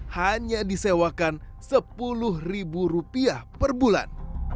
hanya disewakan sepuluh ribu rupiah per bulan